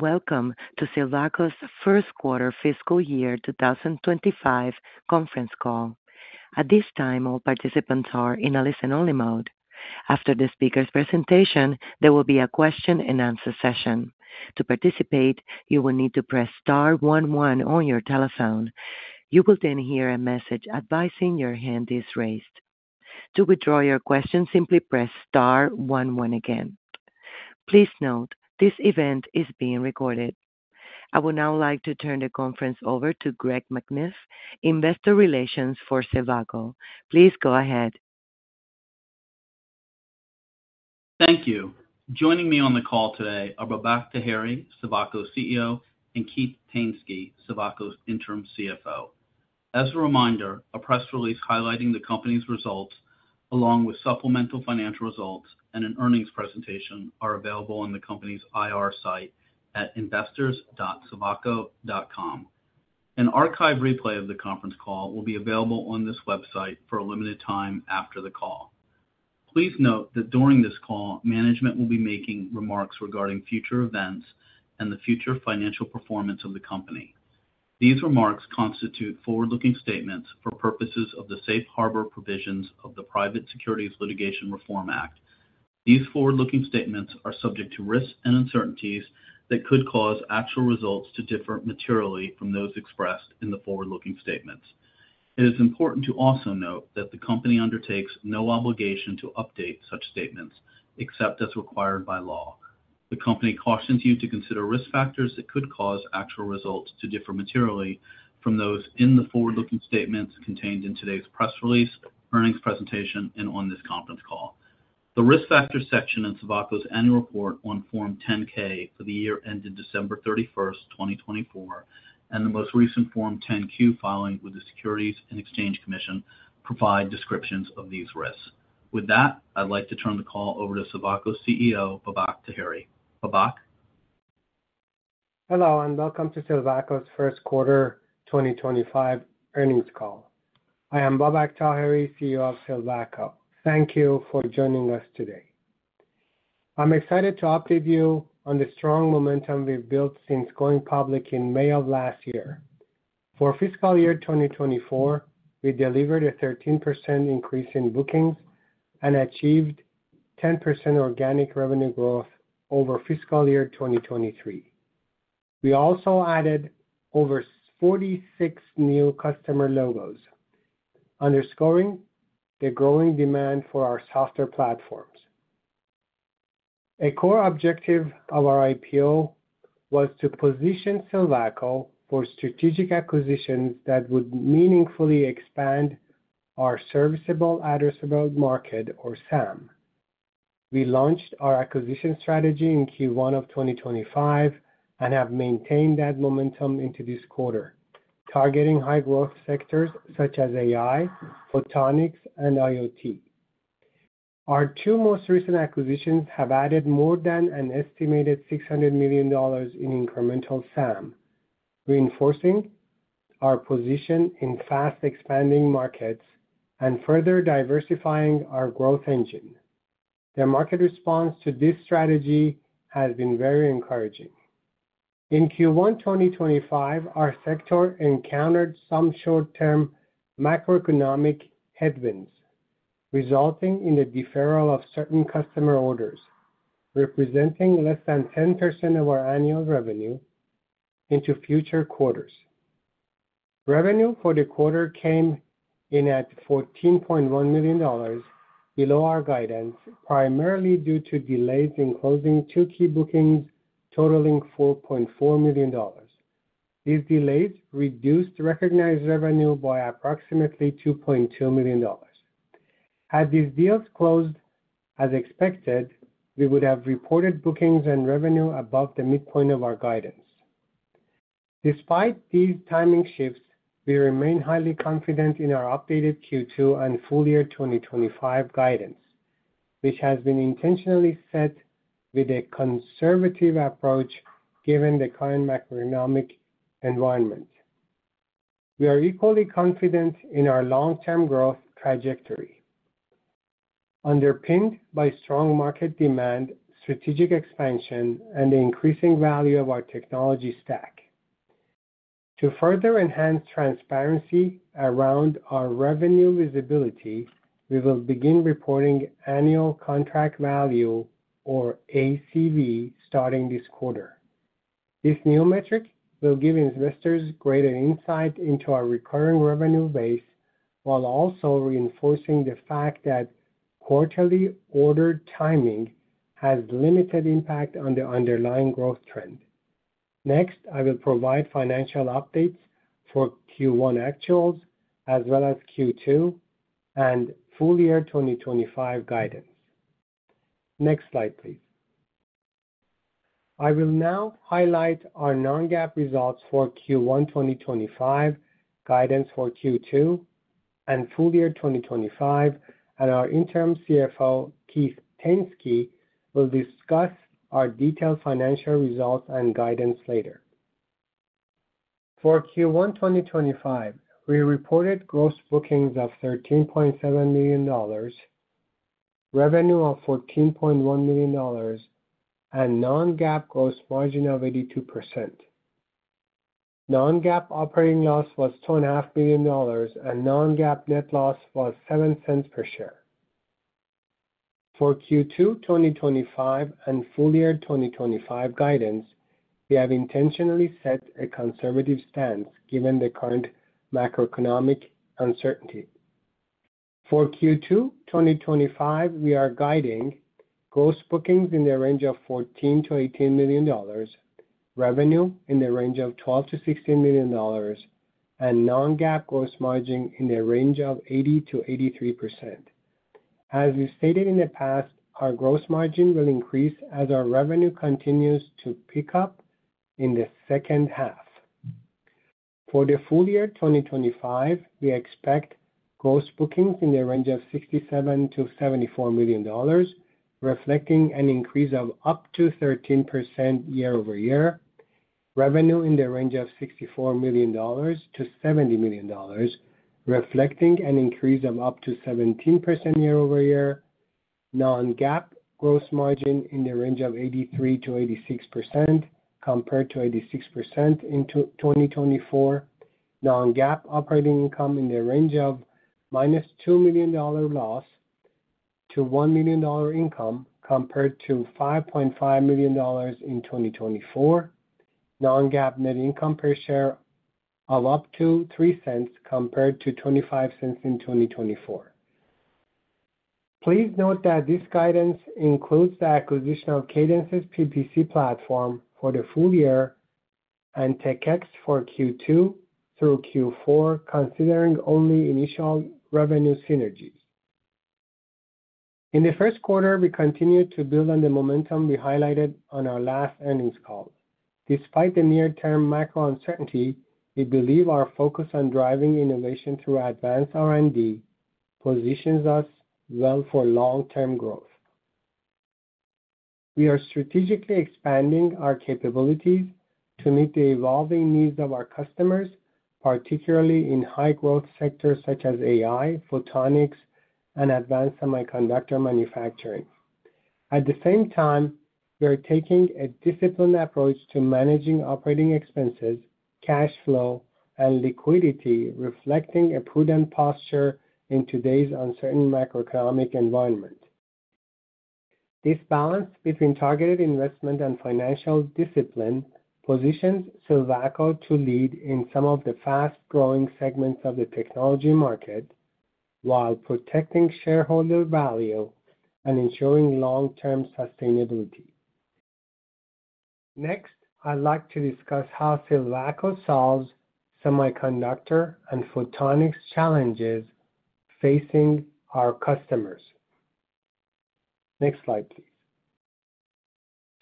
Welcome to Silvaco's first quarter fiscal year 2025 conference call. At this time, all participants are in a listen-only mode. After the speaker's presentation, there will be a question-and-answer session. To participate, you will need to press star one one on your telephone. You will then hear a message advising your hand is raised. To withdraw your question, simply press star one one again. Please note, this event is being recorded. I would now like to turn the conference over to Craig McNiff, Investor Relations for Silvaco. Please go ahead. Thank you. Joining me on the call today are Babak Taheri, Silvaco's CEO, and Keith Tainsky, Silvaco's Interim CFO. As a reminder, a press release highlighting the company's results, along with supplemental financial results and an earnings presentation, are available on the company's IR site at investors.silvaco.com. An archived replay of the conference call will be available on this website for a limited time after the call. Please note that during this call, management will be making remarks regarding future events and the future financial performance of the company. These remarks constitute forward-looking statements for purposes of the safe harbor provisions of the Private Securities Litigation Reform Act. These forward-looking statements are subject to risks and uncertainties that could cause actual results to differ materially from those expressed in the forward-looking statements. It is important to also note that the company undertakes no obligation to update such statements except as required by law. The company cautions you to consider risk factors that could cause actual results to differ materially from those in the forward-looking statements contained in today's press release, earnings presentation, and on this conference call. The risk factor section in Silvaco's annual report on Form 10-K for the year ended December 31st 2024, and the most recent Form 10-Q filing with the Securities and Exchange Commission provide descriptions of these risks. With that, I'd like to turn the call over to Silvaco's CEO, Babak Taheri. Babak? Hello and welcome to Silvaco's first quarter 2025 earnings call. I am Babak Taheri, CEO of Silvaco. Thank you for joining us today. I'm excited to update you on the strong momentum we've built since going public in May of last year. For fiscal year 2024, we delivered a 13% increase in bookings and achieved 10% organic revenue growth over fiscal year 2023. We also added over 46 new customer logos, underscoring the growing demand for our software platforms. A core objective of our IPO was to position Silvaco for strategic acquisitions that would meaningfully expand our serviceable addressable market, or SAM. We launched our acquisition strategy in Q1 of 2025 and have maintained that momentum into this quarter, targeting high-growth sectors such as AI, Photonics, and IoT. Our two most recent acquisitions have added more than an estimated $600 million in incremental SAM, reinforcing our position in fast-expanding markets and further diversifying our growth engine. The market response to this strategy has been very encouraging. In Q1 2025, our sector encountered some short-term macroeconomic headwinds, resulting in the deferral of certain customer orders, representing less than 10% of our annual revenue into future quarters. Revenue for the quarter came in at $14.1 million, below our guidance, primarily due to delays in closing two key bookings totaling $4.4 million. These delays reduced recognized revenue by approximately $2.2 million. Had these deals closed as expected, we would have reported bookings and revenue above the midpoint of our guidance. Despite these timing shifts, we remain highly confident in our updated Q2 and full year 2025 guidance, which has been intentionally set with a conservative approach given the current macroeconomic environment. We are equally confident in our long-term growth trajectory, underpinned by strong market demand, strategic expansion, and the increasing value of our technology stack. To further enhance transparency around our revenue visibility, we will begin reporting annual contract value, or ACV, starting this quarter. This new metric will give investors greater insight into our recurring revenue base while also reinforcing the fact that quarterly order timing has limited impact on the underlying growth trend. Next, I will provide financial updates for Q1 actuals, as well as Q2 and full year 2025 guidance. Next slide, please. I will now highlight our non-GAAP results for Q1 2025, guidance for Q2 and full year 2025, and our Interim CFO, Keith Tainsky, will discuss our detailed financial results and guidance later. For Q1 2025, we reported gross bookings of $13.7 million, revenue of $14.1 million, and non-GAAP gross margin of 82%. Non-GAAP operating loss was $2.5 million, and non-GAAP net loss was $0.07 per share. For Q2 2025 and full year 2025 guidance, we have intentionally set a conservative stance given the current macroeconomic uncertainty. For Q2 2025, we are guiding gross bookings in the range of $14 million-$18 million, revenue in the range of $12 million-$16 million, and non-GAAP gross margin in the range of 80%-83%. As we stated in the past, our gross margin will increase as our revenue continues to pick up in the second half. For the full year 2025, we expect gross bookings in the range of $67 million-$74 million, reflecting an increase of up to 13% year-over-year. Revenue in the range of $64 million-$70 million, reflecting an increase of up to 17% year-over-year. Non-GAAP gross margin in the range of 83%-86% compared to 86% in 2024. Non-GAAP operating income in the range of minus $2 million loss to $1 million income compared to $5.5 million in 2024. Non-GAAP net income per share of up to $0.03 compared to $0.25 in 2024. Please note that this guidance includes the acquisition of Cadence's PPC platform for the full year and TechX for Q2 through Q4, considering only initial revenue synergies. In the first quarter, we continue to build on the momentum we highlighted on our last earnings call. Despite the near-term macro uncertainty, we believe our focus on driving innovation through advanced R&D positions us well for long-term growth. We are strategically expanding our capabilities to meet the evolving needs of our customers, particularly in high-growth sectors such as AI, Photonics, and advanced semiconductor manufacturing. At the same time, we are taking a disciplined approach to managing operating expenses, cash flow, and liquidity, reflecting a prudent posture in today's uncertain macroeconomic environment. This balance between targeted investment and financial discipline positions Silvaco to lead in some of the fast-growing segments of the technology market while protecting shareholder value and ensuring long-term sustainability. Next, I'd like to discuss how Silvaco solves semiconductor and photonics challenges facing our customers. Next slide, please.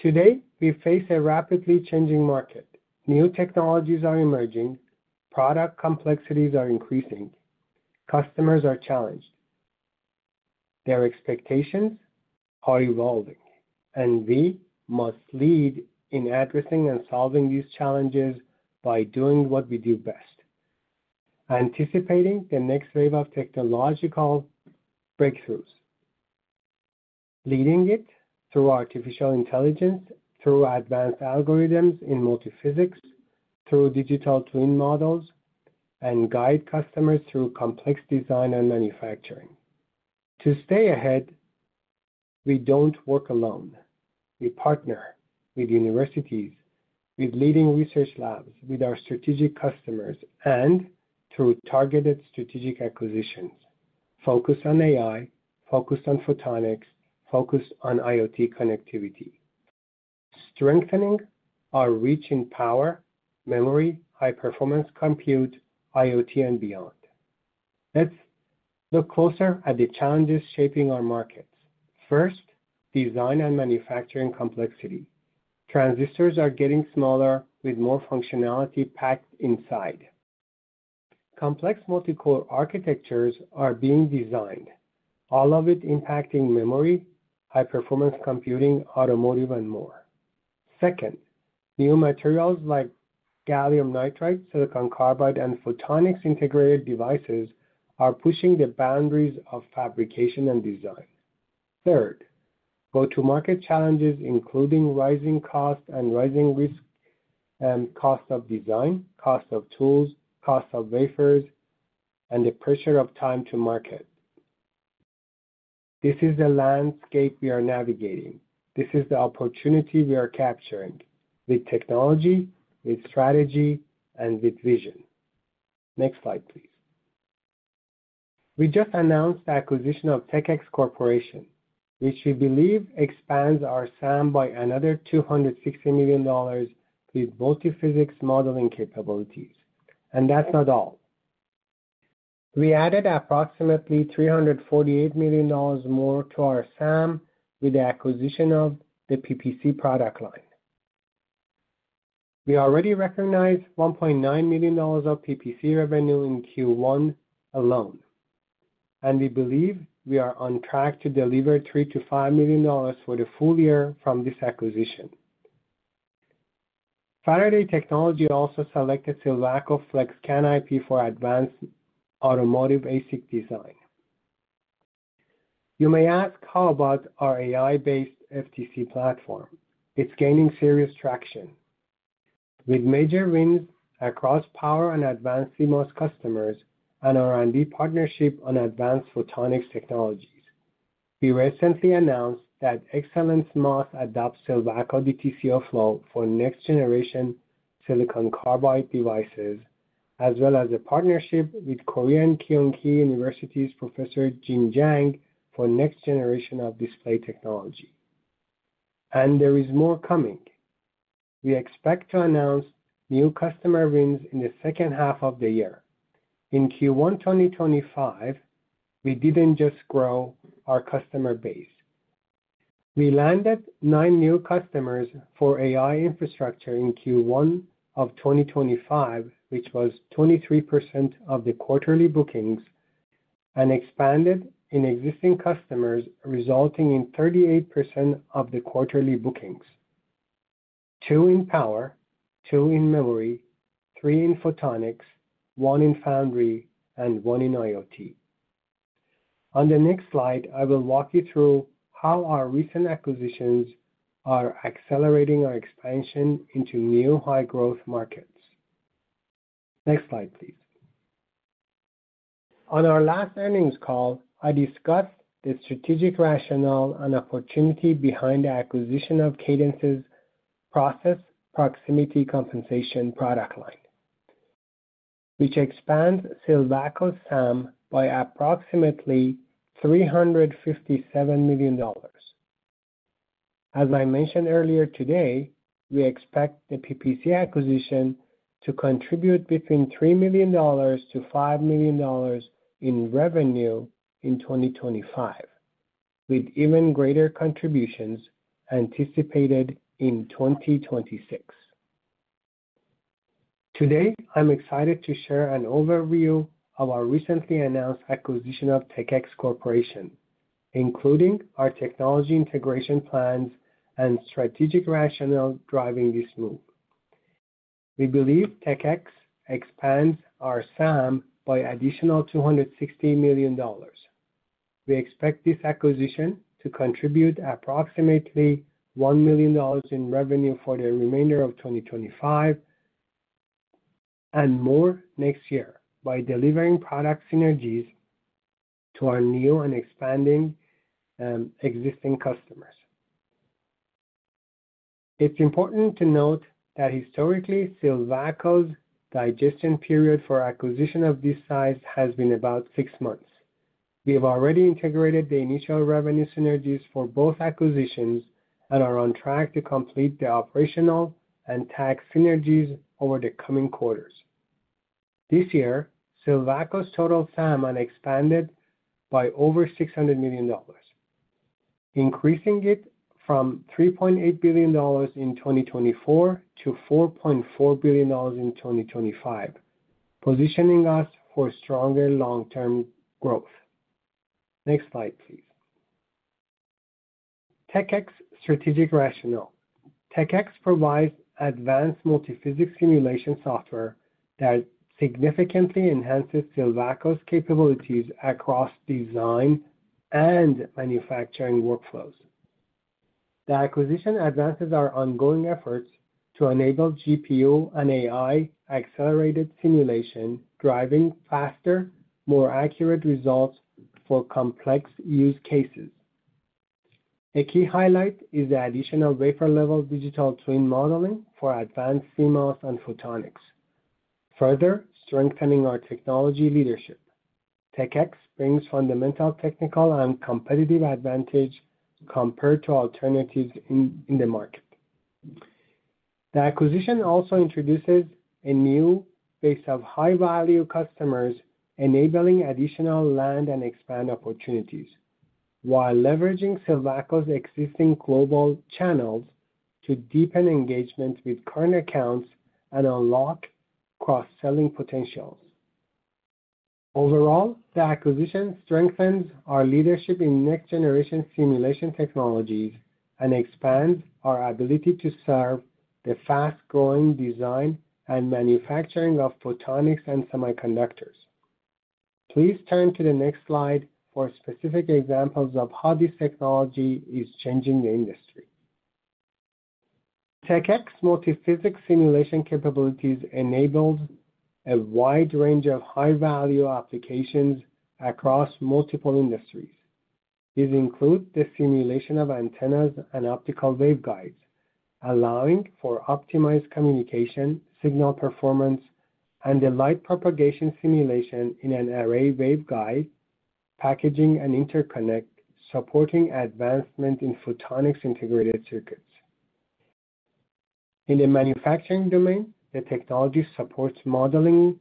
Today, we face a rapidly changing market. New technologies are emerging. Product complexities are increasing. Customers are challenged. Their expectations are evolving, and we must lead in addressing and solving these challenges by doing what we do best: anticipating the next wave of technological breakthroughs, leading it through artificial intelligence, through advanced algorithms in multiphysics, through digital twin models, and guide customers through complex design and manufacturing. To stay ahead, we don't work alone. We partner with universities, with leading research labs, with our strategic customers, and through targeted strategic acquisitions, focused on AI, focused on Photonics, focused on IoT connectivity, strengthening our reach in power, memory, high-performance compute, IoT, and beyond. Let's look closer at the challenges shaping our markets. First, design and manufacturing complexity. Transistors are getting smaller with more functionality packed inside. Complex multicore architectures are being designed, all of it impacting memory, high-performance computing, automotive, and more. Second, new materials like gallium nitride, silicon carbide, and photonics-integrated devices are pushing the boundaries of fabrication and design. Third, go-to-market challenges, including rising cost and rising risk, cost of design, cost of tools, cost of wafers, and the pressure of time to market. This is the landscape we are navigating. This is the opportunity we are capturing with technology, with strategy, and with vision. Next slide, please. We just announced the acquisition of TechX Corporation, which we believe expands our SAM by another $260 million with multiphysics modeling capabilities. That is not all. We added approximately $348 million more to our SAM with the acquisition of the PPC product line. We already recognize $1.9 million of PPC revenue in Q1 alone, and we believe we are on track to deliver $3 million-$5 million for the full year from this acquisition. Faraday Technology also selected Silvaco FlexCan IP for Advanced Automotive ASIC Design. You may ask, how about our AI-based FTCO platform. It is gaining serious traction with major wins across power and advanced CMOS customers and R&D partnership on advanced photonics technologies. We recently announced that Excelliance MOS adopts Silvaco DTCO flow for next-generation silicon carbide devices, as well as a partnership with Korea's Kyung Hee University's Professor Jin Jang for next generation of display technology. There is more coming. We expect to announce new customer wins in the second half of the year. In Q1 2025, we did not just grow our customer base. We landed nine new customers for AI infrastructure in Q1 2025, which was 23% of the quarterly bookings, and expanded in existing customers, resulting in 38% of the quarterly bookings: two in power, two in memory, three in photonics, one in foundry, and one in IoT. On the next slide, I will walk you through how our recent acquisitions are accelerating our expansion into new high-growth markets. Next slide, please. On our last earnings call, I discussed the strategic rationale and opportunity behind the acquisition of Cadence's process proximity compensation product line, which expands Silvaco's SAM by approximately $357 million. As I mentioned earlier today, we expect the PPC acquisition to contribute between $3 million-$5 million in revenue in 2025, with even greater contributions anticipated in 2026. Today, I'm excited to share an overview of our recently announced acquisition of TechX Corporation, including our technology integration plans and strategic rationale driving this move. We believe TechX expands our SAM by an additional $260 million. We expect this acquisition to contribute approximately $1 million in revenue for the remainder of 2025 and more next year by delivering product synergies to our new and expanding existing customers. It's important to note that historically Silvaco's digestion period for an acquisition of this size has been about six months. We have already integrated the initial revenue synergies for both acquisitions and are on track to complete the operational and tax synergies over the coming quarters. This year, Silvaco's total SAM has expanded by over $600 million, increasing it from $3.8 billion in 2024 to $4.4 billion in 2025, positioning us for stronger long-term growth. Next slide, please. TechX strategic rationale. TechX provides advanced multiphysics simulation software that significantly enhances Silvaco's capabilities across design and manufacturing workflows. The acquisition advances our ongoing efforts to enable GPU and AI accelerated simulation, driving faster, more accurate results for complex use cases. A key highlight is the addition of wafer-level digital twin modeling for advanced CMOS and photonics, further strengthening our technology leadership. TechX brings fundamental technical and competitive advantage compared to alternatives in the market. The acquisition also introduces a new base of high-value customers, enabling additional land and expand opportunities while leveraging Silvaco's existing global channels to deepen engagement with current accounts and unlock cross-selling potentials. Overall, the acquisition strengthens our leadership in next-generation simulation technologies and expands our ability to serve the fast-growing design and manufacturing of photonics and semiconductors. Please turn to the next slide for specific examples of how this technology is changing the industry. TechX multiphysics simulation capabilities enabled a wide range of high-value applications across multiple industries. These include the simulation of antennas and optical wave guides, allowing for optimized communication, signal performance, and the light propagation simulation in an array wave guide, packaging, and interconnect, supporting advancement in photonics-integrated circuits. In the manufacturing domain, the technology supports modeling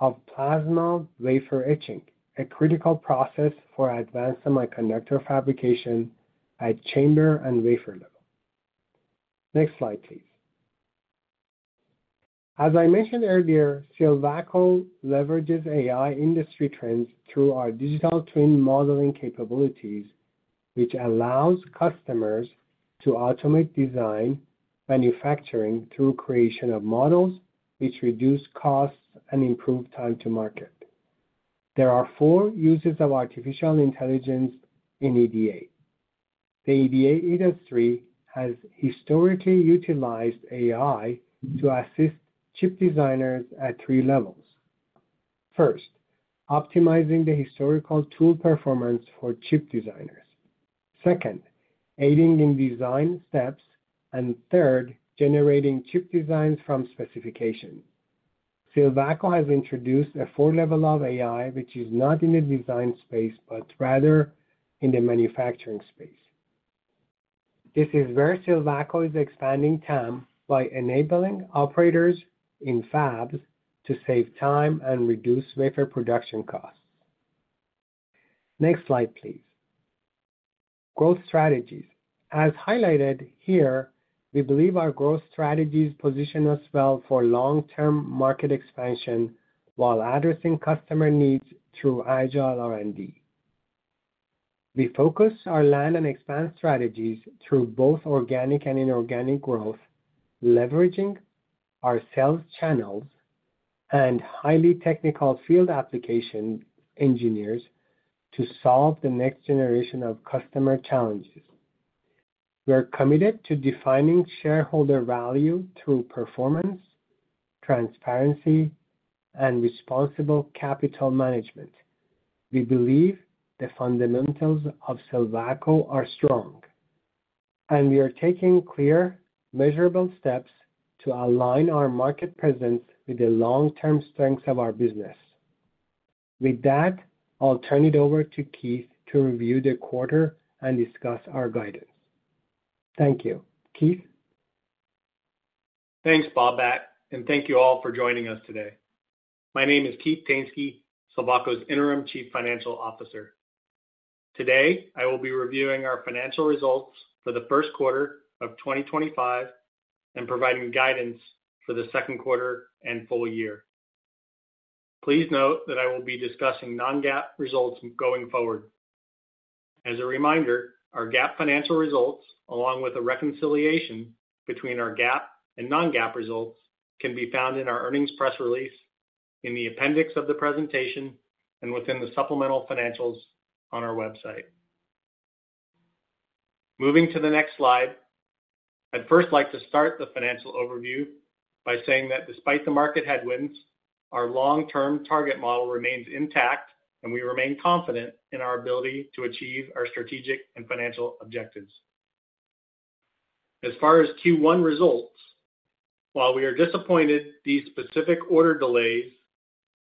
of plasma wafer etching, a critical process for advanced semiconductor fabrication at chamber and wafer level. Next slide, please. As I mentioned earlier, Silvaco leverages AI industry trends through our digital twin modeling capabilities, which allows customers to automate design manufacturing through creation of models, which reduce costs and improve time to market. There are four uses of artificial intelligence in EDA. The EDA industry has historically utilized AI to assist chip designers at three levels. First, optimizing the historical tool performance for chip designers. Second, aiding in design steps. Third, generating chip designs from specification. Silvaco has introduced a four-level of AI, which is not in the design space, but rather in the manufacturing space. This is where Silvaco is expanding TAM by enabling operators in fabs to save time and reduce wafer production costs. Next slide, please. Growth strategies. As highlighted here, we believe our growth strategies position us well for long-term market expansion while addressing customer needs through agile R&D. We focus our land and expand strategies through both organic and inorganic growth, leveraging our sales channels and highly technical field application engineers to solve the next generation of customer challenges. We're committed to defining shareholder value through performance, transparency, and responsible capital management. We believe the fundamentals of Silvaco are strong, and we are taking clear, measurable steps to align our market presence with the long-term strengths of our business. With that, I'll turn it over to Keith to review the quarter and discuss our guidance. Thank you, Keith. Thanks, Babak, and thank you all for joining us today. My name is Keith Tainsky, Silvaco's Interim Chief Financial Officer. Today, I will be reviewing our financial results for the first quarter of 2025 and providing guidance for the second quarter and full year. Please note that I will be discussing non-GAAP results going forward. As a reminder, our GAAP financial results, along with a reconciliation between our GAAP and non-GAAP results, can be found in our earnings press release, in the appendix of the presentation, and within the supplemental financials on our website. Moving to the next slide, I'd first like to start the financial overview by saying that despite the market headwinds, our long-term target model remains intact, and we remain confident in our ability to achieve our strategic and financial objectives. As far as Q1 results, while we are disappointed, these specific order delays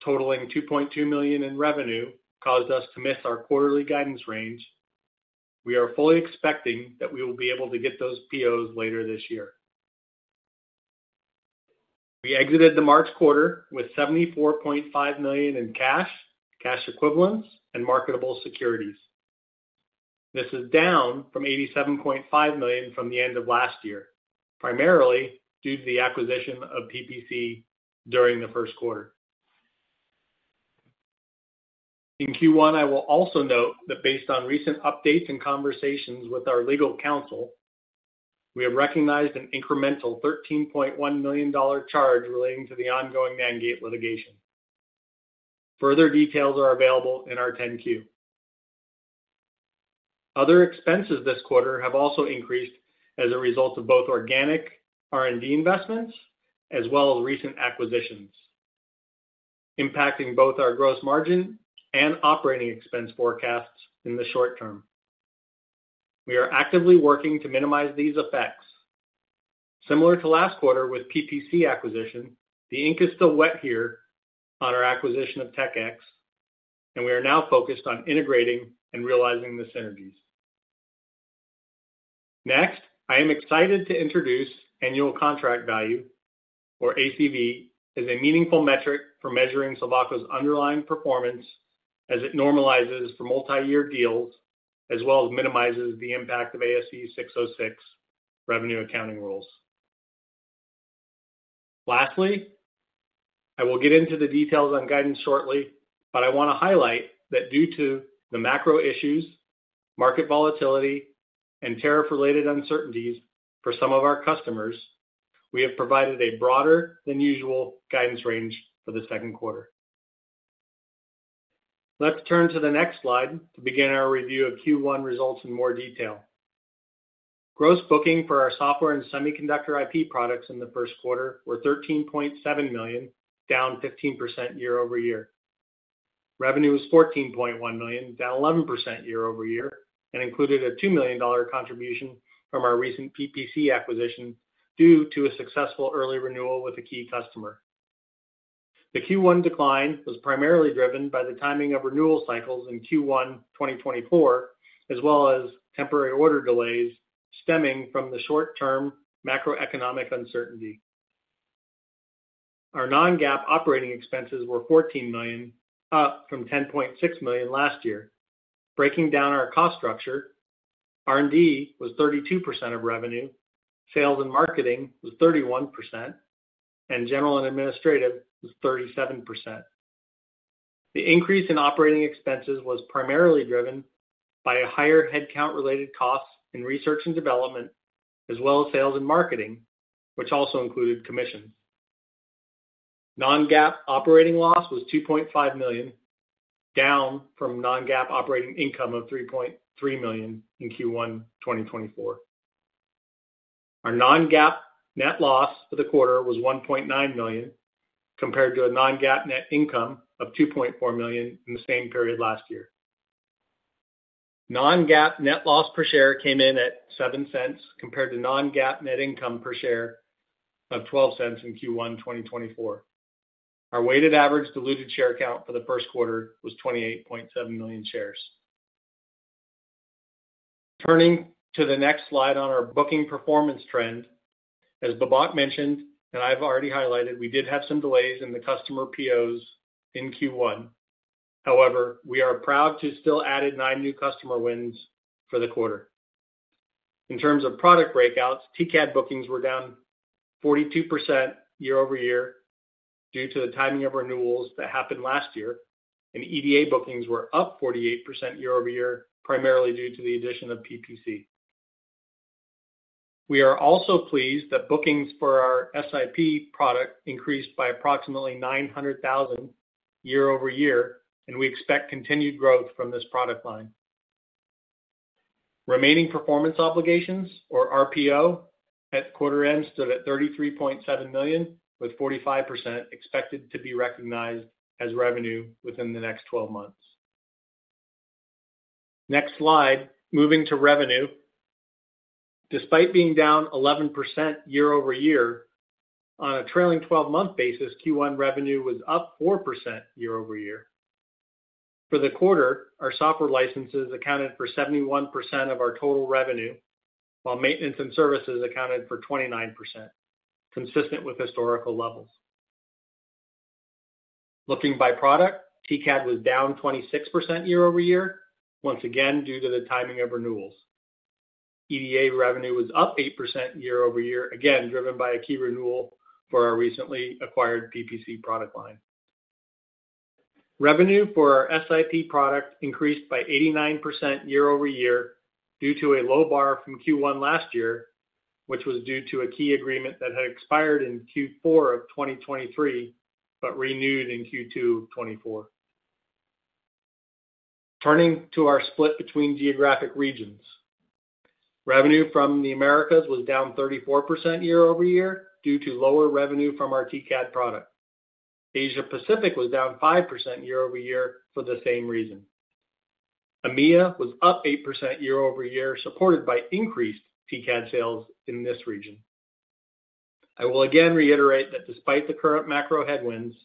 totaling $2.2 million in revenue caused us to miss our quarterly guidance range. We are fully expecting that we will be able to get those POs later this year. We exited the March quarter with $74.5 million in cash, cash equivalents, and marketable securities. This is down from $87.5 million from the end of last year, primarily due to the acquisition of PPC during the first quarter. In Q1, I will also note that based on recent updates and conversations with our legal counsel, we have recognized an incremental $13.1 million charge relating to the ongoing NanGate litigation. Further details are available in our 10-Q. Other expenses this quarter have also increased as a result of both organic R&D investments as well as recent acquisitions, impacting both our gross margin and operating expense forecasts in the short term. We are actively working to minimize these effects. Similar to last quarter with PPC acquisition, the ink is still wet here on our acquisition of TechX, and we are now focused on integrating and realizing the synergies. Next, I am excited to introduce annual contract value, or ACV, as a meaningful metric for measuring Silvaco's underlying performance as it normalizes for multi-year deals as well as minimizes the impact of ASC 606 revenue accounting rules. Lastly, I will get into the details on guidance shortly, but I want to highlight that due to the macro issues, market volatility, and tariff-related uncertainties for some of our customers, we have provided a broader than usual guidance range for the second quarter. Let's turn to the next slide to begin our review of Q1 results in more detail. Gross booking for our software and semiconductor IP products in the first quarter were $13.7 million, down 15% year-over-year. Revenue was $14.1 million, down 11% year-over-year, and included a $2 million contribution from our recent PPC acquisition due to a successful early renewal with a key customer. The Q1 decline was primarily driven by the timing of renewal cycles in Q1 2024, as well as temporary order delays stemming from the short-term macroeconomic uncertainty. Our non-GAAP operating expenses were $14 million, up from $10.6 million last year. Breaking down our cost structure, R&D was 32% of revenue, sales and marketing was 31%, and general and administrative was 37%. The increase in operating expenses was primarily driven by higher headcount-related costs in research and development, as well as sales and marketing, which also included commissions. Non-GAAP operating loss was $2.5 million, down from non-GAAP operating income of $3.3 million in Q1 2024. Our non-GAAP net loss for the quarter was $1.9 million, compared to a non-GAAP net income of $2.4 million in the same period last year. Non-GAAP net loss per share came in at $0.07, compared to non-GAAP net income per share of $0.12 in Q1 2024. Our weighted average diluted share count for the first quarter was 28.7 million shares. Turning to the next slide on our booking performance trend, as Babak mentioned and I've already highlighted, we did have some delays in the customer POs in Q1. However, we are proud to still added nine new customer wins for the quarter. In terms of product breakouts, TCAD bookings were down 42% year-over-year due to the timing of renewals that happened last year, and EDA bookings were up 48% year-over-year, primarily due to the addition of PPC. We are also pleased that bookings for our SIP product increased by approximately $900,000 year-over-year, and we expect continued growth from this product line. Remaining performance obligations, or RPO, at quarter-end stood at $33.7 million, with 45% expected to be recognized as revenue within the next 12 months. Next slide, moving to revenue. Despite being down 11% year-over-year, on a trailing 12-month basis, Q1 revenue was up four percent year-over-year. For the quarter, our software licenses accounted for 71% of our total revenue, while maintenance and services accounted for 29%, consistent with historical levels. Looking by product, TCAD was down 26% year-over-year, once again due to the timing of renewals. EDA revenue was up 8% year-over-year, again driven by a key renewal for our recently acquired PPC product line. Revenue for our SIP product increased by 89% year-over-year due to a low bar from Q1 last year, which was due to a key agreement that had expired in Q4 of 2023 but renewed in Q2 2024. Turning to our split between geographic regions, revenue from the Americas was down 34% year-over-year due to lower revenue from our TCAD product. Asia-Pacific was down 5% year-over-year for the same reason. EMEA was up 8% year-over-year, supported by increased TCAD sales in this region. I will again reiterate that despite the current macro headwinds,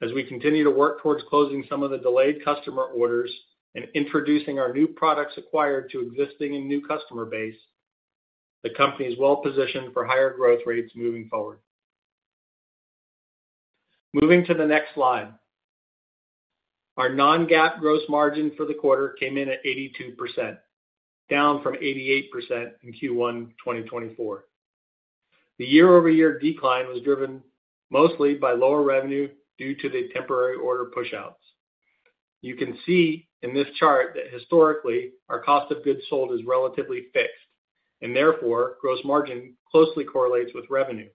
as we continue to work towards closing some of the delayed customer orders and introducing our new products acquired to existing and new customer base, the company is well-positioned for higher growth rates moving forward. Moving to the next slide, our non-GAAP gross margin for the quarter came in at 82%, down from 88% in Q1 2024. The year-over-year decline was driven mostly by lower revenue due to the temporary order push-outs. You can see in this chart that historically, our cost of goods sold is relatively fixed, and therefore, gross margin closely correlates with revenue.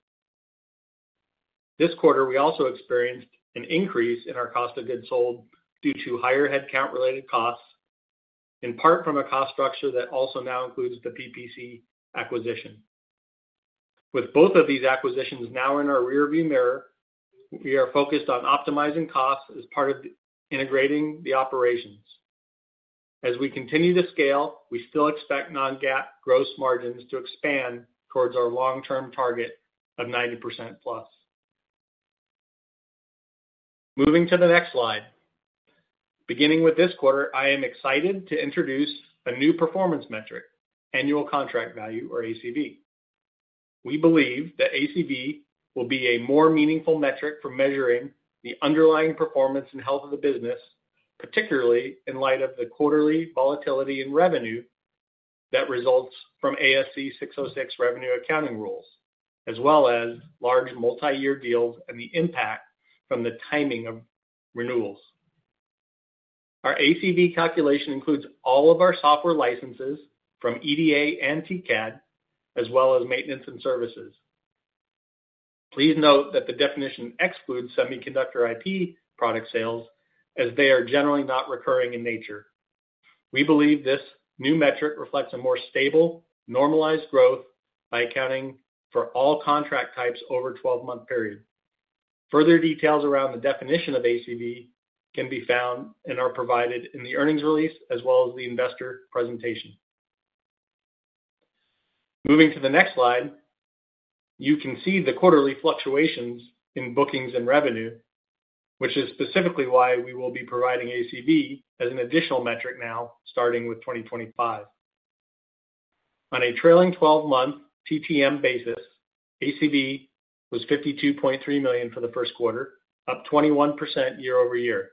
This quarter, we also experienced an increase in our cost of goods sold due to higher headcount-related costs, in part from a cost structure that also now includes the PPC acquisition. With both of these acquisitions now in our rearview mirror, we are focused on optimizing costs as part of integrating the operations. As we continue to scale, we still expect non-GAAP gross margins to expand towards our long-term target of 90% plus. Moving to the next slide. Beginning with this quarter, I am excited to introduce a new performance metric, annual contract value, or ACV. We believe that ACV will be a more meaningful metric for measuring the underlying performance and health of the business, particularly in light of the quarterly volatility in revenue that results from ASC 606 revenue accounting rules, as well as large multi-year deals and the impact from the timing of renewals. Our ACV calculation includes all of our software licenses from EDA and TCAD, as well as maintenance and services. Please note that the definition excludes semiconductor IP product sales, as they are generally not recurring in nature. We believe this new metric reflects a more stable, normalized growth by accounting for all contract types over a 12-month period. Further details around the definition of ACV can be found and are provided in the earnings release as well as the investor presentation. Moving to the next slide, you can see the quarterly fluctuations in bookings and revenue, which is specifically why we will be providing ACV as an additional metric now, starting with 2025. On a trailing 12-month TTM basis, ACV was $52.3 million for the first quarter, up 21% year-over-year.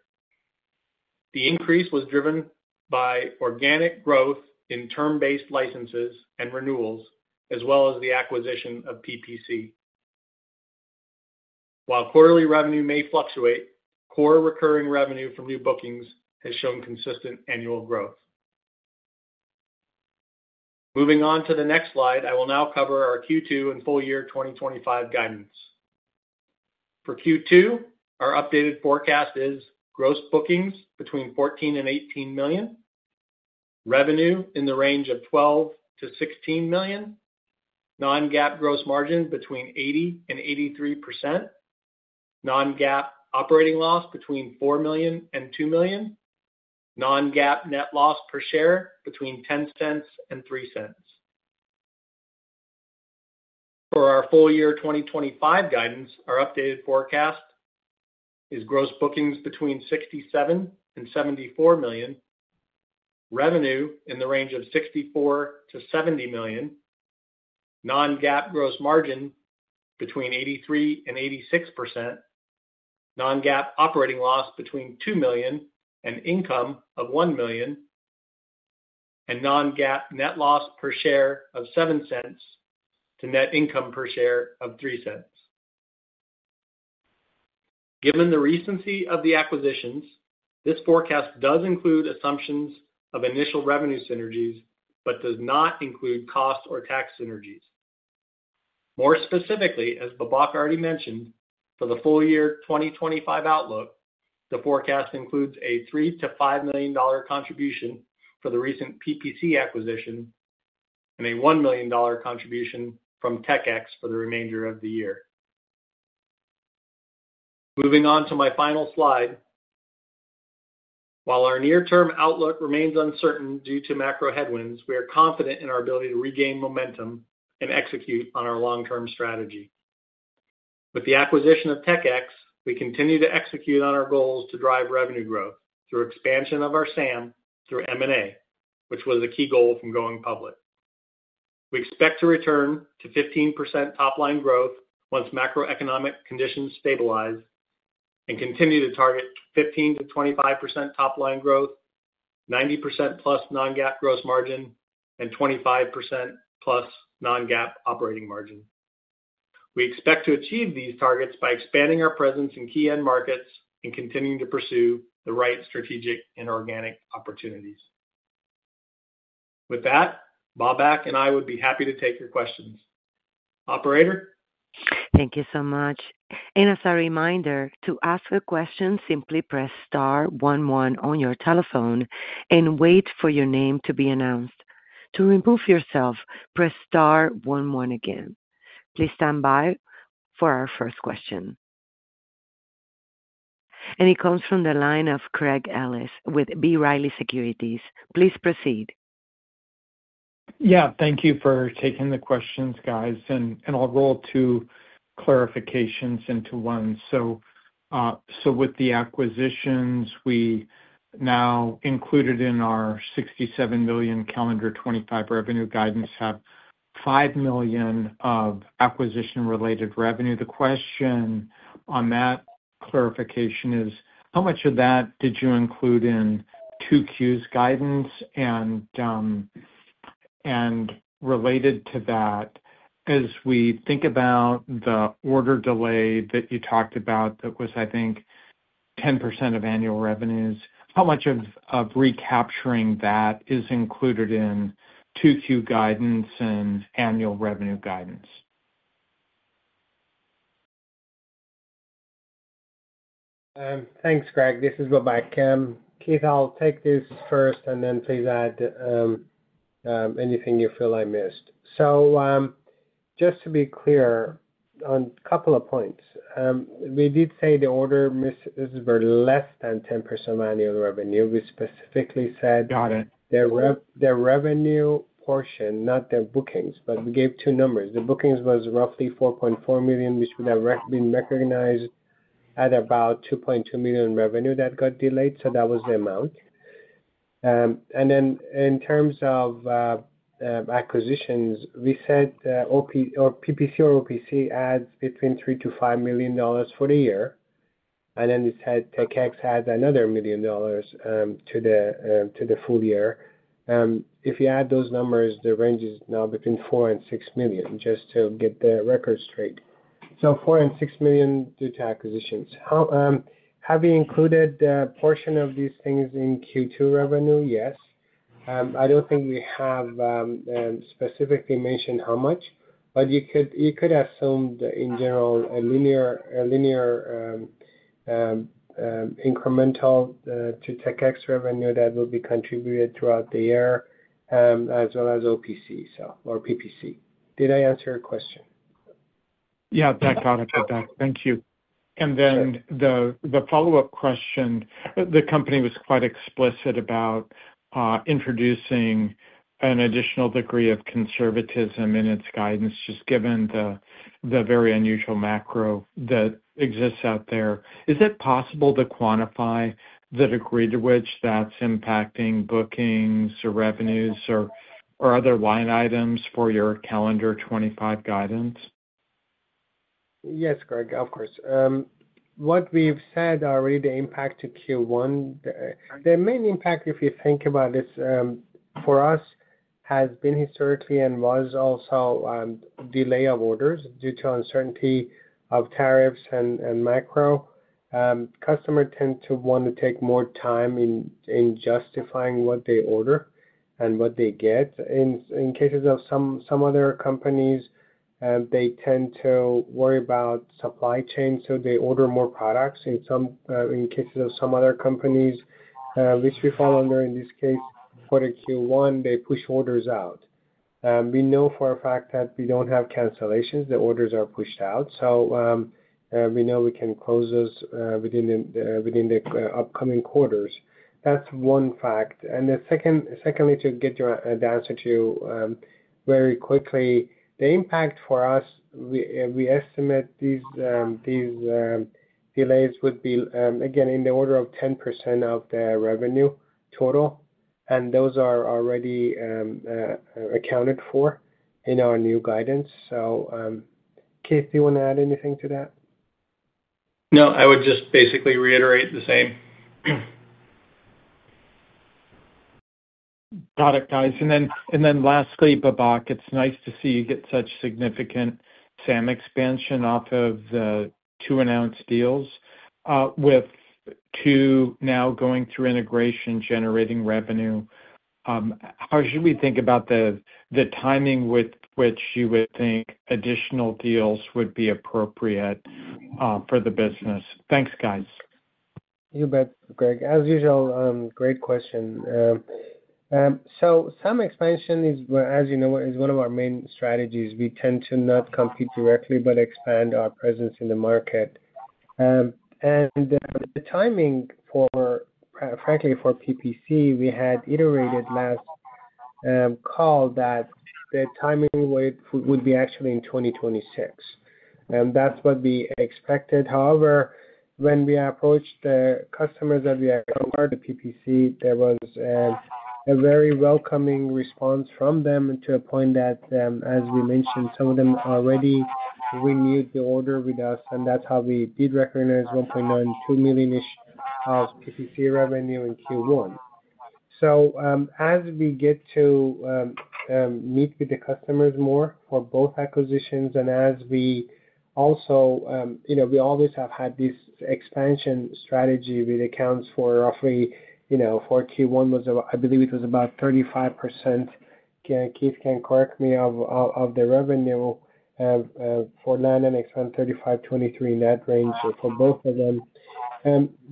The increase was driven by organic growth in term-based licenses and renewals, as well as the acquisition of PPC. While quarterly revenue may fluctuate, core recurring revenue from new bookings has shown consistent annual growth. Moving on to the next slide, I will now cover our Q2 and full year 2025 guidance. For Q2, our updated forecast is gross bookings between $14 million-$18 million, revenue in the range of $12 million-$16 million, non-GAAP gross margin between 80%-83%, non-GAAP operating loss between $4 million and $2 million, non-GAAP net loss per share between $0.10 and $0.03. For our full year 2025 guidance, our updated forecast is gross bookings between $67 million and $74 million, revenue in the range of $64 million-$70 million, non-GAAP gross margin between 83% and 86%, non-GAAP operating loss between $2 million and income of $1 million, and non-GAAP net loss per share of $0.07 to net income per share of $0.03. Given the recency of the acquisitions, this forecast does include assumptions of initial revenue synergies but does not include cost or tax synergies. More specifically, as Babak already mentioned, for the full year 2025 outlook, the forecast includes a $3 million-$5 million contribution for the recent PPC acquisition and a $1 million contribution from TechX for the remainder of the year. Moving on to my final slide, while our near-term outlook remains uncertain due to macro headwinds, we are confident in our ability to regain momentum and execute on our long-term strategy. With the acquisition of TechX, we continue to execute on our goals to drive revenue growth through expansion of our SAM through M&A, which was a key goal from going public. We expect to return to 15% top-line growth once macroeconomic conditions stabilize and continue to target 15%-25% top-line growth, 90% plus non-GAAP gross margin, and 25% plus non-GAAP operating margin. We expect to achieve these targets by expanding our presence in key end markets and continuing to pursue the right strategic and organic opportunities. With that, Babak and I would be happy to take your questions. Operator? Thank you so much. As a reminder, to ask a question, simply press star one one on your telephone and wait for your name to be announced. To remove yourself, press star one one again. Please stand by for our first question. It comes from the line of Craig Ellis with B. Riley Securities. Please proceed. Yeah, thank you for taking the questions, guys. I'll roll two clarifications into one. With the acquisitions, we now included in our $67 million calendar 2025 revenue guidance have $5 million of acquisition-related revenue. The question on that clarification is, how much of that did you include in 2Q's guidance? Related to that, as we think about the order delay that you talked about that was, I think, 10% of annual revenues, how much of recapturing that is included in 2Q guidance and annual revenue guidance? Thanks, Craig. This is Babak um. Keith, I'll take this first, and then please add anything you feel I missed. Just to be clear on a couple of points, we did say the order missed this for less than 10% of annual revenue. We specifically said their revenue portion, not their bookings, but we gave two numbers. The bookings was roughly $4.4 million, which would have been recognized at about $2.2 million revenue that got delayed. That was the amount. In terms of acquisitions, we said PPC or OPC adds between $3 million-$5 million for the year. We said TechX adds another $1 million to the full year. If you add those numbers, the range is now between $4 million-$6 million, just to get the record straight. $4 million-$6 million due to acquisitions. Have we included a portion of these things in Q2 revenue? Yes. I do not think we have specifically mentioned how much, but you could assume that in general, a linear incremental to TechX revenue that will be contributed throughout the year, as well as OPC or PPC. Did I answer your question? Yeah, that got it, Babak. Thank you. The follow-up question, the company was quite explicit about introducing an additional degree of conservatism in its guidance, just given the very unusual macro that exists out there. Is it possible to quantify the degree to which that is impacting bookings or revenues or other line items for your calendar 2025 guidance? Yes, Craig, of course. What we have said already, the impact to Q1, the main impact, if you think about it, for us has been historically and was also delay of orders due to uncertainty of tariffs and macro. Customers tend to want to take more time in justifying what they order and what they get. In cases of some other companies, they tend to worry about supply chain, so they order more products. In cases of some other companies, which we fall under in this case, for the Q1, they push orders out. We know for a fact that we do not have cancellations. The orders are pushed out. We know we can close those within the upcoming quarters. That is one fact. Secondly, to get the answer to you very quickly, the impact for us, we estimate these delays would be, again, in the order of 10% of the revenue total, and those are already accounted for in our new guidance. Keith, do you want to add anything to that? No, I would just basically reiterate the same. Got it, guys. Lastly, Babak, it's nice to see you get such significant SAM expansion off of the two announced deals with two now going through integration generating revenue. How should we think about the timing with which you would think additional deals would be appropriate for the business? Thanks, guys. You bet, Craig. As usual, great question. SAM expansion is, as you know, one of our main strategies. We tend to not compete directly but expand our presence in the market. The timing, frankly, for PPC, we had iterated last call that the timing would be actually in 2026. That's what we expected. However, when we approached the customers that we acquired at PPC, there was a very welcoming response from them to a point that, as we mentioned, some of them already renewed the order with us, and that's how we did recognize $1.92 million of PPC revenue in Q1. As we get to meet with the customers more for both acquisitions and as we also we always have had this expansion strategy with accounts for roughly for Q1 was, I believe it was about 35%. Keith can correct me of the revenue for land and expense, $35, $23 in that range for both of them.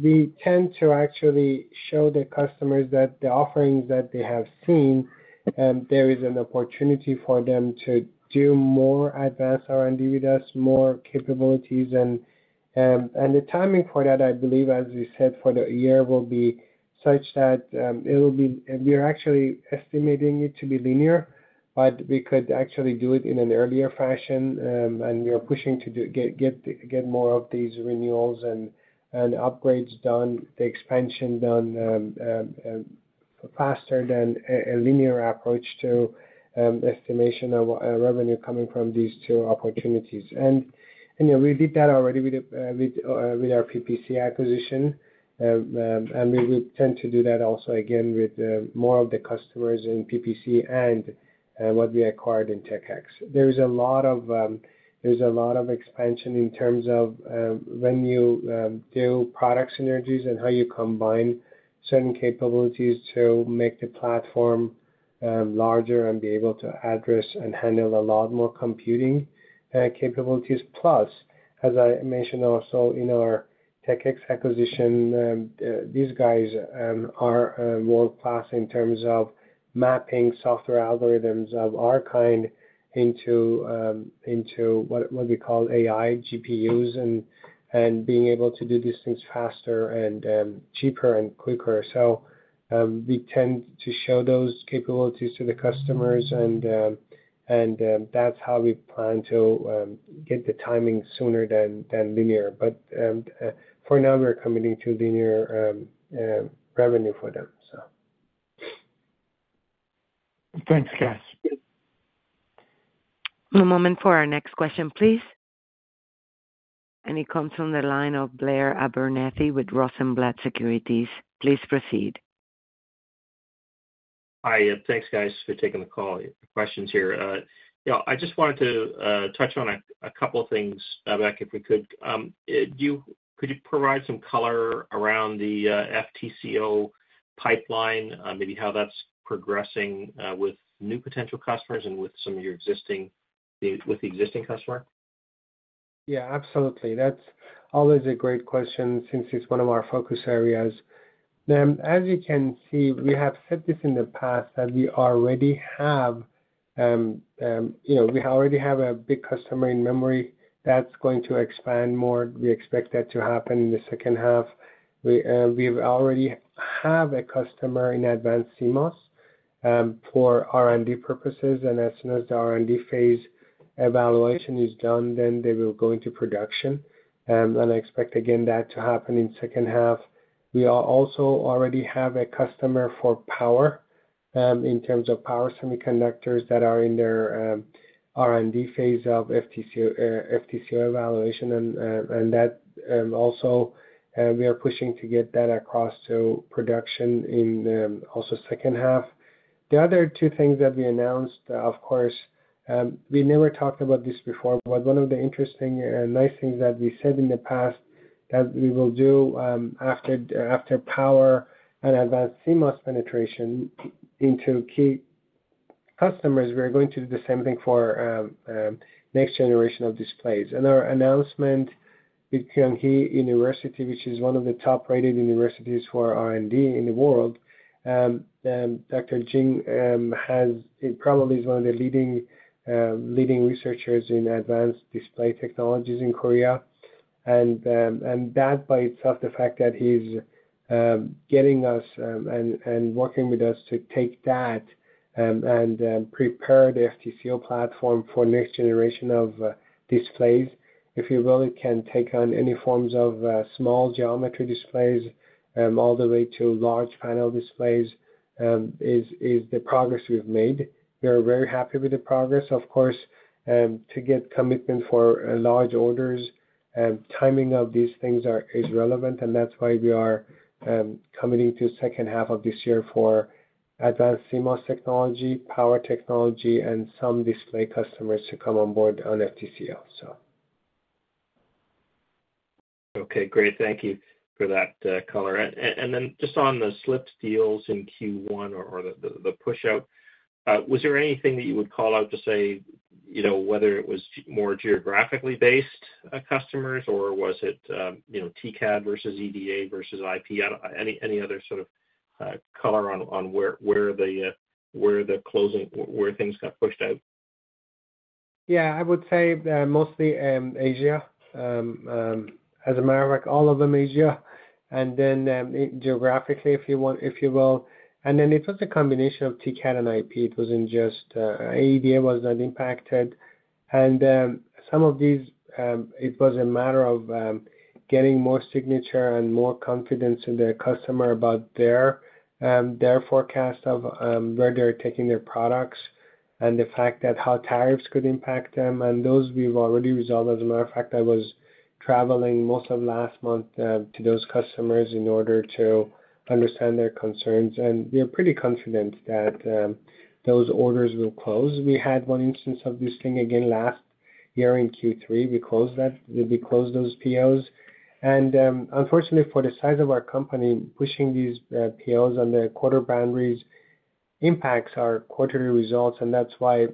We tend to actually show the customers that the offerings that they have seen, there is an opportunity for them to do more advanced R&D with us, more capabilities. The timing for that, I believe, as we said, for the year will be such that it will be we are actually estimating it to be linear, but we could actually do it in an earlier fashion. We are pushing to get more of these renewals and upgrades done, the expansion done faster than a linear approach to estimation of revenue coming from these two opportunities. We did that already with our PPC acquisition, and we would tend to do that also again with more of the customers in PPC and what we acquired in TechX. There is a lot of expansion in terms of when you do product synergies and how you combine certain capabilities to make the platform larger and be able to address and handle a lot more computing capabilities. Plus, as I mentioned also in our TechX acquisition, these guys are world-class in terms of mapping software algorithms of our kind into what we call AI GPUs and being able to do these things faster and cheaper and quicker. We tend to show those capabilities to the customers, and that is how we plan to get the timing sooner than linear. For now, we are committing to linear revenue for them. Thanks, guys. One moment for our next question, please. It comes from the line of Blair Abernethy with Rossenblatt Securities. Please proceed. Hi, thanks, guys, for taking the call. Questions here. I just wanted to touch on a couple of things, Babak, if we could. Could you provide some color around the FTCO pipeline, maybe how that is progressing with new potential customers and with some of your existing, with the existing customer? Yeah, absolutely. That's always a great question since it's one of our focus areas. As you can see, we have said this in the past that we already have a big customer in memory that's going to expand more. We expect that to happen in the second half. We already have a customer in advanced CMOS for R&D purposes. As soon as the R&D phase evaluation is done, they will go into production. I expect, again, that to happen in second half. We also already have a customer for power in terms of power semiconductors that are in their R&D phase of FTCO evaluation. That also, we are pushing to get that across to production in also second half. The other two things that we announced, of course, we never talked about this before, but one of the interesting and nice things that we said in the past that we will do after power and advanced CMOS penetration into key customers, we're going to do the same thing for next generation of displays. Our announcement with Kyung Hee University, which is one of the top-rated universities for R&D in the world, Dr. Jin Jang is probably one of the leading researchers in advanced display technologies in Korea. That by itself, the fact that he's getting us and working with us to take that and prepare the FTCO platform for next generation of displays, if you will, it can take on any forms of small geometry displays all the way to large panel displays is the progress we've made. We are very happy with the progress. Of course, to get commitment for large orders, timing of these things is relevant, and that's why we are committing to second half of this year for advanced CMOS technology, power technology, and some display customers to come on board on FTCO, so. Okay, great. Thank you for that color. And then just on the slipped deals in Q1 or the push-out, was there anything that you would call out to say whether it was more geographically based customers, or was it TCAD versus EDA versus IP? Any other sort of color on where the closing, where things got pushed out? Yeah, I would say mostly Asia. As a matter of fact, all of them Asia. And then geographically, if you will. And then it was a combination of TCAD and IP. It wasn't just EDA was not impacted. Some of these, it was a matter of getting more signature and more confidence in the customer about their forecast of where they're taking their products and the fact that how tariffs could impact them. Those we've already resolved. As a matter of fact, I was traveling most of last month to those customers in order to understand their concerns. We are pretty confident that those orders will close. We had one instance of this thing again last year in Q3. We closed those POs. Unfortunately, for the size of our company, pushing these POs on the quarter boundaries impacts our quarterly results. That is why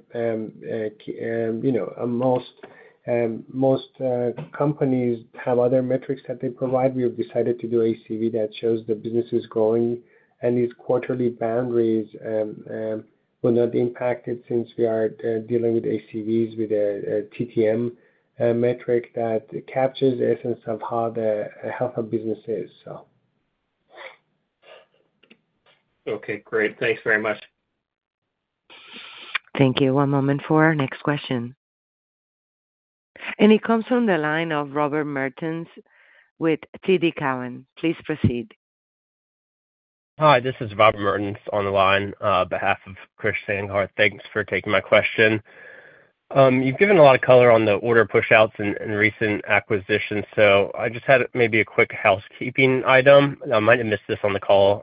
most companies have other metrics that they provide. We have decided to do ACV that shows the business is growing. These quarterly boundaries will not be impacted since we are dealing with ACVs with a TTM metric that captures the essence of how the health of business is, so. Okay, great. Thanks very much. Thank you. One moment for our next question. It comes from the line of Robert Mertens with TD Cowen. Please proceed. Hi, this is Bob Mertens on the line on behalf of Christian Hart. Thanks for taking my question. You've given a lot of color on the order push-outs and recent acquisitions. I just had maybe a quick housekeeping item. I might have missed this on the call.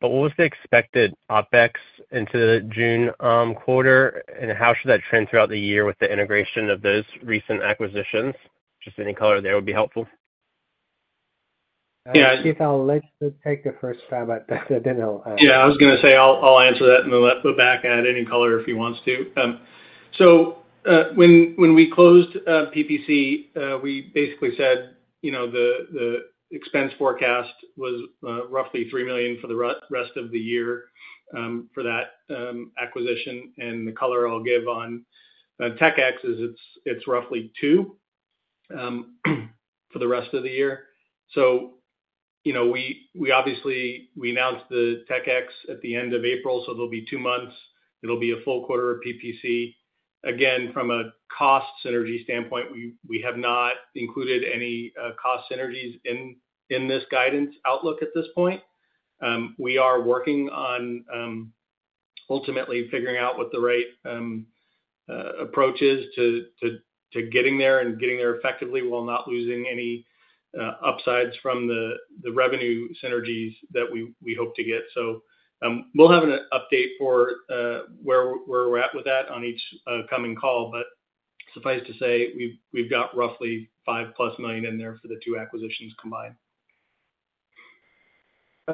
What was the expected OpEx into the June quarter? How should that trend throughout the year with the integration of those recent acquisitions? Any color there would be helpful. Yeah, Keith, I'll let you take the first time, but then I'll. Yeah, I was going to say I'll answer that in a moment. Babak can add any color if he wants to. When we closed PPC, we basically said the expense forecast was roughly $3 million for the rest of the year for that acquisition. The color I'll give on TechX is it's roughly $2 million for the rest of the year. We obviously announced TechX at the end of April, so there'll be two months. It'll be a full quarter of PPC. Again, from a cost synergy standpoint, we have not included any cost synergies in this guidance outlook at this point. We are working on ultimately figuring out what the right approach is to getting there and getting there effectively while not losing any upsides from the revenue synergies that we hope to get. We'll have an update for where we're at with that on each coming call. Suffice to say, we've got roughly $5 million-plus in there for the two acquisitions combined.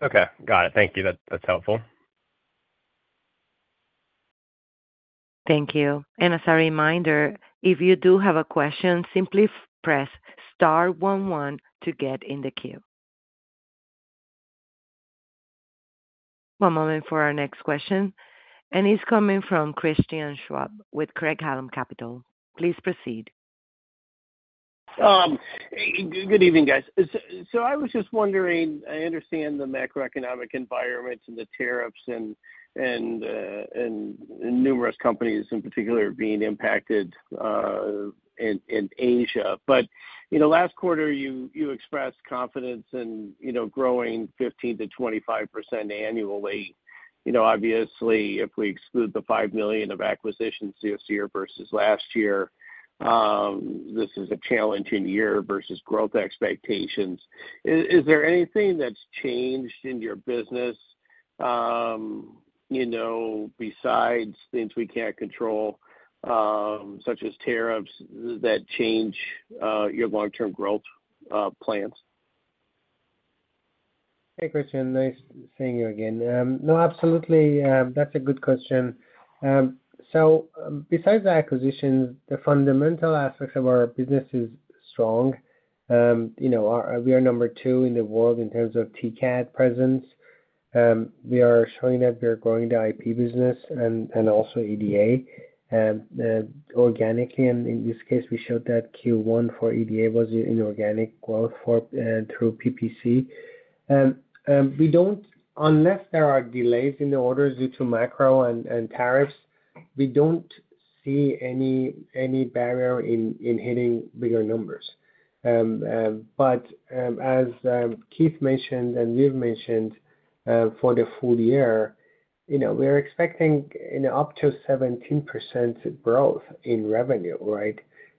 Okay. Got it. Thank you. That's helpful. Thank you. As a reminder, if you do have a question, simply press star one one to get in the queue. One moment for our next question. It's coming from Christian Schwab with Craig-Hallum Capital. Please proceed. Good evening, guys. I was just wondering, I understand the macroeconomic environment and the tariffs and numerous companies in particular being impacted in Asia. Last quarter, you expressed confidence in growing 15%-25% annually. Obviously, if we exclude the $5 million of acquisitions this year versus last year, this is a challenging year versus growth expectations. Is there anything that's changed in your business besides things we can't control, such as tariffs, that change your long-term growth plans? Hey, Christian. Nice seeing you again. No, absolutely. That's a good question. So besides the acquisitions, the fundamental aspects of our business is strong. We are number two in the world in terms of TCAD presence. We are showing that we are growing the IP business and also EDA organically. In this case, we showed that Q1 for EDA was in organic growth through PPC. Unless there are delays in the orders due to macro and tariffs, we don't see any barrier in hitting bigger numbers. As Keith mentioned and you've mentioned for the full year, we're expecting up to 17% growth in revenue, right?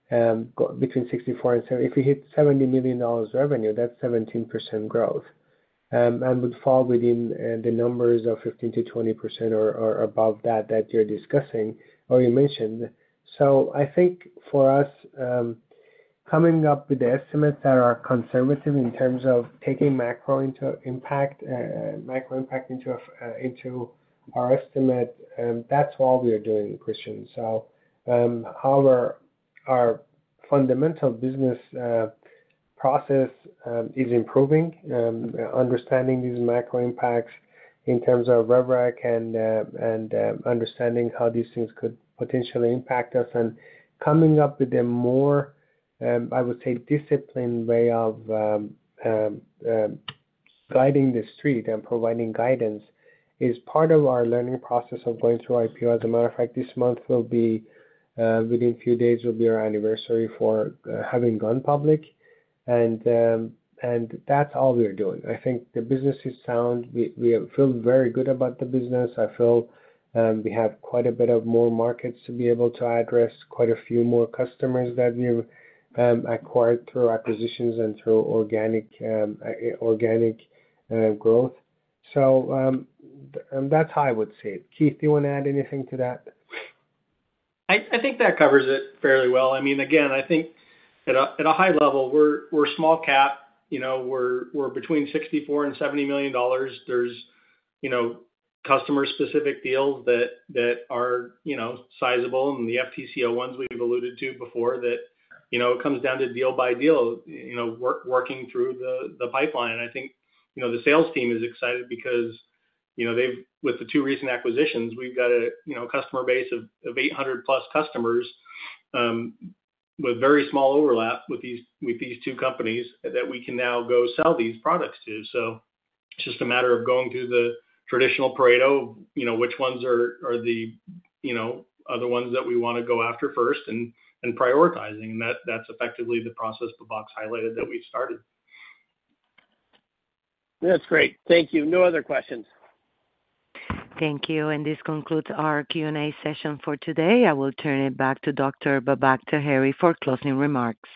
Between $64 million and $70 million. If we hit $70 million revenue, that's 17% growth and would fall within the numbers of 15%-20% or above that that you're discussing or you mentioned. I think for us, coming up with the estimates that are conservative in terms of taking macro impact into our estimate, that's all we are doing, Christian. However, our fundamental business process is improving, understanding these macro impacts in terms of rubric and understanding how these things could potentially impact us. Coming up with a more, I would say, disciplined way of guiding the street and providing guidance is part of our learning process of going through IPO. As a matter of fact, this month will be within a few days, will be our anniversary for having gone public. That's all we are doing. I think the business is sound. We feel very good about the business. I feel we have quite a bit of more markets to be able to address, quite a few more customers that we've acquired through acquisitions and through organic growth. That's how I would see it. Keith, do you want to add anything to that? I think that covers it fairly well. I mean, again, I think at a high level, we're small cap. We're between $64 million and $70 million. There's customer-specific deals that are sizable and the FTCO ones we've alluded to before that it comes down to deal by deal, working through the pipeline. I think the sales team is excited because with the two recent acquisitions, we've got a customer base of 800 plus customers with very small overlap with these two companies that we can now go sell these products to. It is just a matter of going through the traditional parade of which ones are the other ones that we want to go after first and prioritizing. That is effectively the process Babak has highlighted that we have started. That is great. Thank you. No other questions. Thank you. This concludes our Q&A session for today. I will turn it back to Dr. Babak Taheri for closing remarks.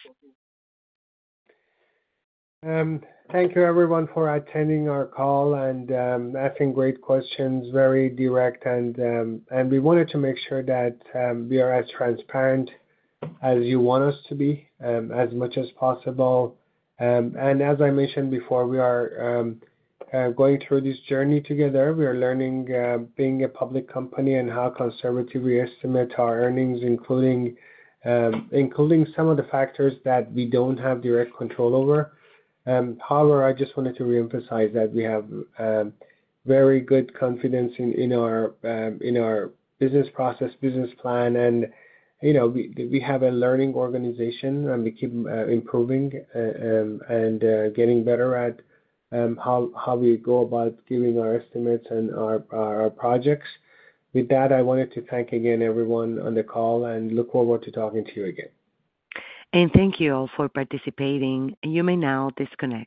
Thank you, everyone, for attending our call and asking great questions, very direct. We wanted to make sure that we are as transparent as you want us to be, as much as possible. As I mentioned before, we are going through this journey together. We are learning being a public company and how conservative we estimate our earnings, including some of the factors that we do not have direct control over. However, I just wanted to reemphasize that we have very good confidence in our business process, business plan. We have a learning organization, and we keep improving and getting better at how we go about giving our estimates and our projects. With that, I wanted to thank again everyone on the call and look forward to talking to you again. Thank you all for participating. You may now disconnect.